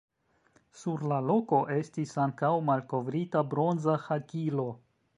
Sur la loko estis ankaŭ malkovrita bronza hakilo.